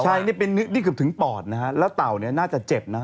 ใช่นี่เกือบถึงปอดนะฮะแล้วเต่าเนี่ยน่าจะเจ็บนะ